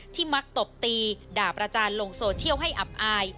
ที่มักตบตีดาบราชาญลงโซเชียลให้อับอาย